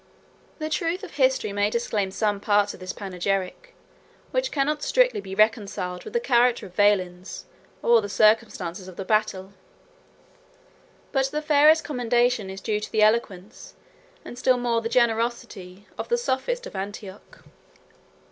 The truth of history may disclaim some parts of this panegyric, which cannot strictly be reconciled with the character of Valens, or the circumstances of the battle: but the fairest commendation is due to the eloquence, and still more to the generosity, of the sophist of Antioch.